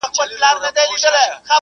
که زمانه هېره کړئ څېړنه به نیمګړې وي.